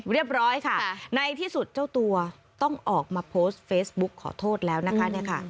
เรียบร้อยค่ะในที่สุดเจ้าตัวต้องออกมาโพสต์เฟซบุ๊กขอโทษแล้วนะคะ